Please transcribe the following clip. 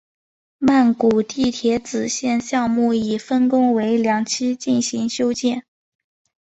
曼谷地铁紫线项目已分工为两期进行修建。